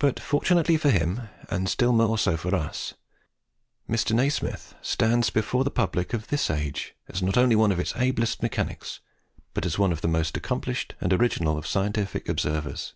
But fortunately for him, and still more so for us, Mr. Nasmyth stands before the public of this age as not only one of its ablest mechanics, but as one of the most accomplished and original of scientific observers.